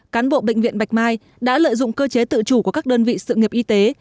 cán bộ bệnh viện bạch mai đã lợi dụng cơ chế tự chủ của các đơn vị sự nghiệp y tế